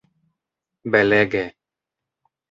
belege